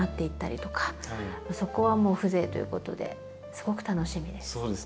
そこはもう風情ということですごく楽しみです。